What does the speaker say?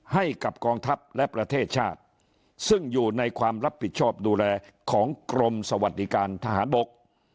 ให้กับกองทัพและประเทศชาติซึ่งอยู่ในความรับผิดชอบดูแลของกรมสวัสดิการทหารบก